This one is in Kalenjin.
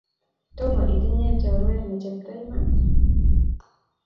Tomo itinye choruet ne chepto iman?